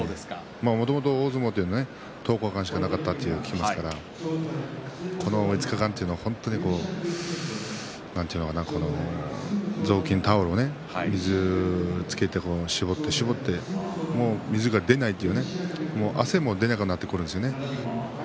もともと大相撲というのは１０日間しかなかったということもありましたけどもこの５日間というのは雑巾タオルを水につけて絞って、絞って水が出ないという汗も出なくなってくるんですよね。